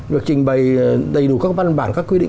được trình bày đầy đủ các văn bản các quy định